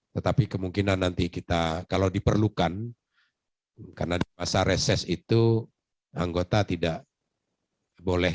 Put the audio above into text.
tetapi kemungkinan nanti kita kalau diperlukan karena di masa reses itu anggota tidak boleh